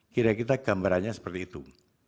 kira kira gambarannya seperti itu